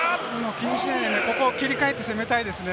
気にしないでここを切り替えて攻めたいですね。